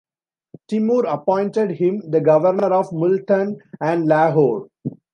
Timur appointed him the governor of Multan and Lahore.